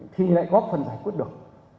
thì lại có phần giải quyết được